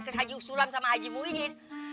ke haji sulam sama haji muhyiddin